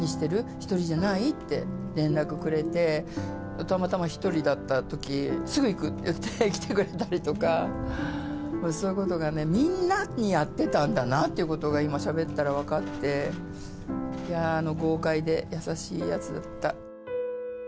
１人じゃない？って連絡くれて、たまたま１人だったとき、すぐ行くって言って、来てくれたりとか、そういうことがね、みんなにやってたんだなっていうことが、今、しゃべったら分かって、いやー、豪快で優しいやつだった。